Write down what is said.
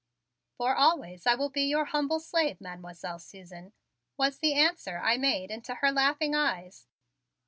"For always I will be your humble slave, Mademoiselle Susan," was the answer I made into her laughing eyes.